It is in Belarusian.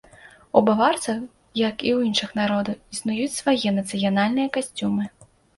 У баварцаў, як і ў іншых народаў, існуюць свае нацыянальныя касцюмы.